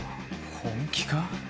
本気か。